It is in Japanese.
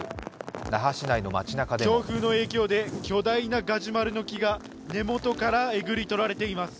那覇市内の街なかでは強風の影響で巨大なガジュマルの木が根元からえぐりとられています。